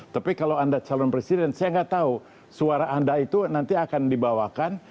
tapi kalau anda calon presiden saya nggak tahu suara anda itu nanti akan dibawakan